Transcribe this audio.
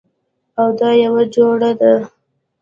او دا یوه جوړه ده